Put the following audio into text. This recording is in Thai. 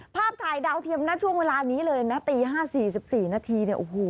ภาพถ่ายดาวเทียมหน้าช่วงเวลานี้เลยนะตี๕๔๔นาที